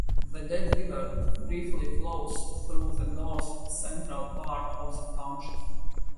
The Dead River briefly flows through the north-central part of the township.